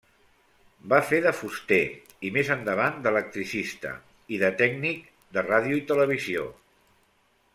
Va fer de fuster i, més endavant, d'electricista i de tècnic de ràdio i televisió.